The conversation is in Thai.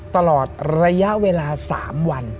ตลอดระยะเวลา๓วัน